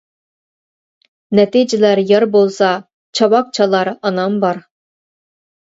نەتىجىلەر يار بولسا، چاۋاك چالار ئانام بار.